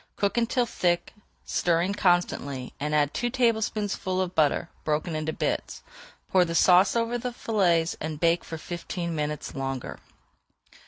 Cook until thick, stirring constantly, and add two tablespoonfuls of butter, broken into bits. Pour the sauce over the fillets and bake for fifteen minutes longer.